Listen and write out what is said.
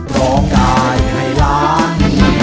ร้องได้ให้ล้าน